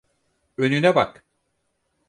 Önüne bak!